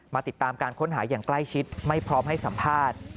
ติดตามการค้นหาอย่างใกล้ชิดไม่พร้อมให้สัมภาษณ์